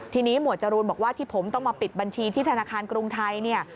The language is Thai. ทีนี้หมวดจรูนบอกว่าที่ผมต้องมาปิดบัญชีที่ธนาคารกรุงไทยเนี่ย